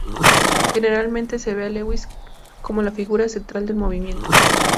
Generalmente se ve a Lewis como la figura central del movimiento.